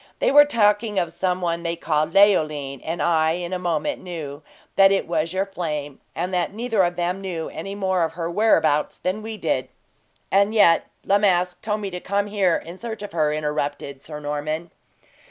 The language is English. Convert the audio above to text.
They were talking of some one they called Leoline, and I, in a moment, knew that it was your flame, and that neither of them knew any more of her whereabouts than we did." "And yet La Masque told me to come here in search of her," interrupted Sir Norman.